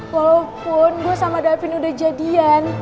walaupun gue sama davin udah jadian